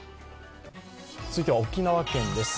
続いては沖縄県です。